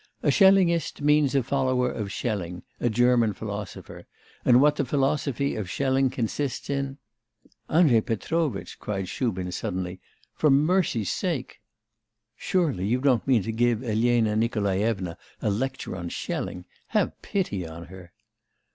'A Schellingist means a follower of Schelling, a German philosopher; and what the philosophy of Schelling consists in ' 'Andrei Petrovitch!' cried Shubin suddenly, 'for mercy's sake! Surely you don't mean to give Elena Nikolaevna a lecture on Schelling? Have pity on her!